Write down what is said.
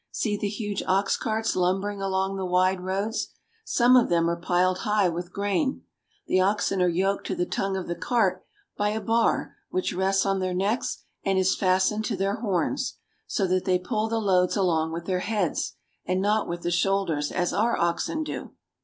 See the huge ox carts lumbering along the wide roads ! Some of them are piled high with grain. The oxen are yoked to the tongue of the cart by a bar which rests on their necks and is fastened to their horns, so that they pull the loads along with their heads, and not with the shoulders as our oxen do.